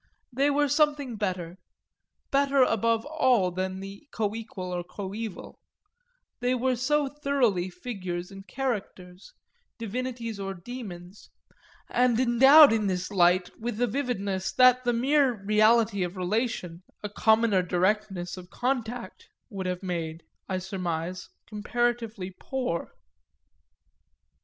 They were something better better above all than the coequal or coæval; they were so thoroughly figures and characters, divinities or demons, and endowed in this light with a vividness that the mere reality of relation, a commoner directness of contact, would have made, I surmise, comparatively poor.